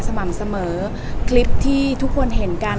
สม่ำเสมอคลิปที่ทุกคนเห็นกัน